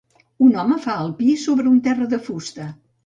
Un home fa el pi sobre un terra de fusta.